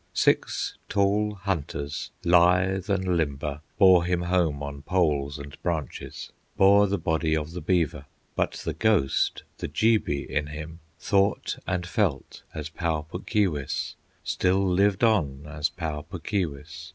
Six tall hunters, lithe and limber, Bore him home on poles and branches, Bore the body of the beaver; But the ghost, the Jeebi in him, Thought and felt as Pau Puk Keewis, Still lived on as Pau Puk Keewis.